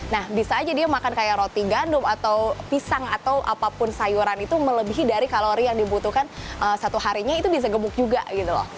nah bisa aja dia makan kayak roti gandum atau pisang atau apapun sayuran itu melebihi dari kalori yang dibutuhkan satu harinya itu bisa gemuk juga gitu loh